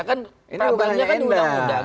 kan tabungnya kan undang undang